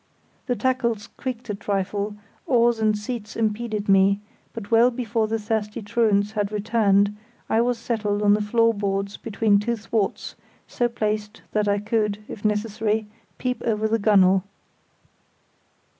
The tackles creaked a trifle, oars and seats impeded me; but well before the thirsty truants had returned I was settled on the floor boards between two thwarts, so placed that I could, if necessary, peep over the gunwale.